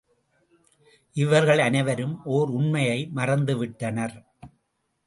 இவர்கள் அனைவரும் ஓர் உண்மையை மறந்துவிட்டனர்.